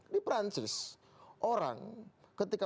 di prancis orang ketika